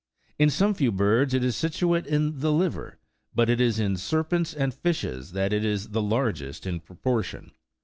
In some few birds it is situate in the liver ; but it is in serpents and fishes that it is the largest in proportion.